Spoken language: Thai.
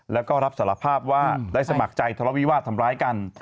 แล้วก็รับสารภาพว่าได้สมัครใจทะเลาวิวาสทำร้ายกัน